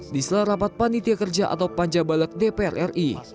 di selera rapat panitia kerja atau panjabalat dpr ri